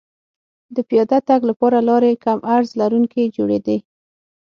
د پیاده تګ لپاره لارې کم عرض لرونکې جوړېدې